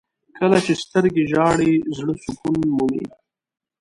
• کله چې سترګې ژاړي، زړه سکون مومي.